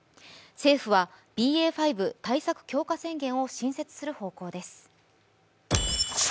政府は、ＢＡ．５対策強化宣言を新設する方向です。